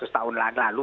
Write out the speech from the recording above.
seratus tahun lalu